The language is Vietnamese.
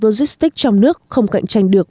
logistic trong nước không cạnh tranh được